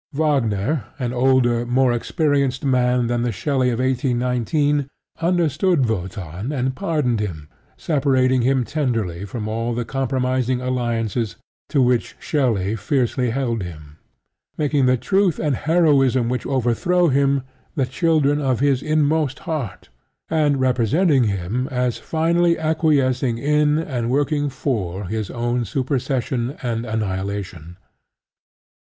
Wagner, an older, more experienced man than the Shelley of 1819, understood Wotan and pardoned him, separating him tenderly from all the compromising alliances to which Shelley fiercely held him; making the truth and heroism which overthrow him the children of his inmost heart; and representing him as finally acquiescing in and working for his own supersession and annihilation.